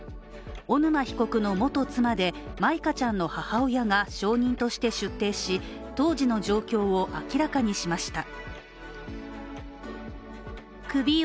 小沼被告の元妻で舞香ちゃんの母親が証人として出廷し当時の状況を明らかにしました。